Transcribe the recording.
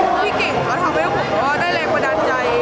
พี่เก่งเขาทำให้ผมได้แรงประดันใจ